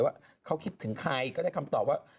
ว่าเขาคิดถึงใครก็ได้คำตอบว่า